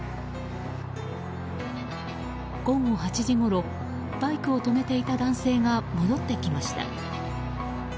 午後８時ごろバイクを止めていた男性が戻ってきました。